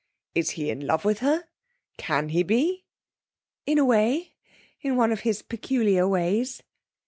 'Is he in love with her? Can he be?' 'In a way in one of his peculiar ways.'